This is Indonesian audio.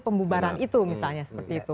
pembubaran itu misalnya seperti itu